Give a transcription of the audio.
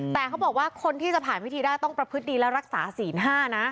แต่เขาบอกว่าคนที่จะผ่านวิธีได้ต้องประพฤติดีและรักษาศีล๕นะ